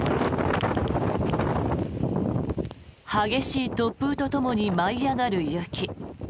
激しい突風とともに舞い上がる雪。